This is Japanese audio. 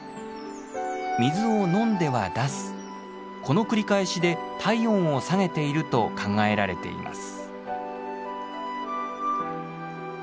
水を飲んでは出すこの繰り返しで体温を下げていると考えられています。